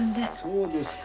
そうですか。